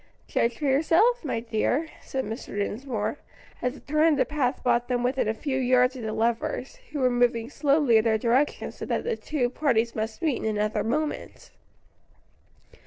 "Judge for yourself, my dear," said Mr. Dinsmore, as a turn in the path brought them within a few yards of the lovers, who were moving slowly in their direction so that the two parties must meet in another moment.